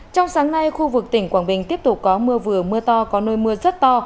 trong sáng nay khu vực tỉnh quảng bình tiếp tục có mưa vừa mưa to có nơi mưa rất to